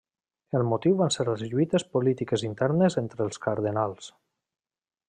El motiu van ser les lluites polítiques internes entre els cardenals.